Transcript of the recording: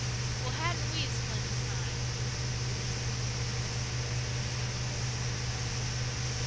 "Well, hadn't we a splendid time?" he demanded defiantly, as they went down the hill field.